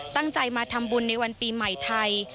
ตั้งใจมาทำบุญในวันปีใหม่ไทย